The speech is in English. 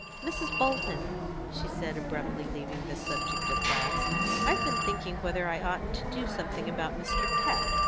"Mrs. Bolton," she said, abruptly leaving the subject at last, "I've been thinking whether I oughtn't to do something about Mr. Peck.